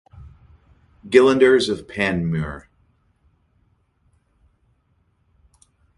Gillanders of Panmure.